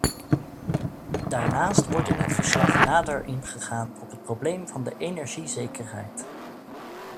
Daarnaast wordt in het verslag nader ingegaan op het probleem van de energiezekerheid.